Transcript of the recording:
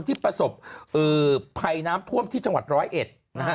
ที่ประสบภัยน้ำท่วมที่จังหวัดร้อยเอ็ดนะฮะ